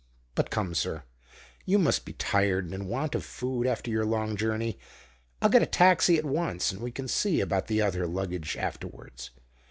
"But come, sir, you must be tired and in want of food after your long journey. I'll get a taxi at once, and we can see about the other luggage afterwards."